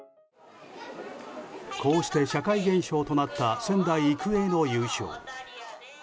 こうして社会現象となった仙台育英の優勝。